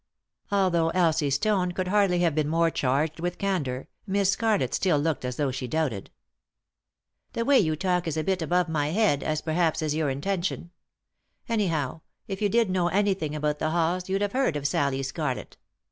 Although Elsie's tone could hardly have been more charged with candour, Miss Scarlett still looked as though she doubted. " The way you talk is a bit above my head, as perhaps is your intention. Anyhow, if you did know anything about the halls you'd have heard of Sallie Scarlett.